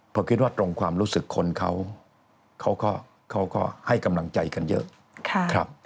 ผมคิดว่าตรงความรู้สึกคนเขาก็ให้กำลังใจกันเยอะ